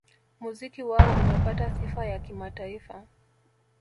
Muziki wao umepata sifa ya kimataifa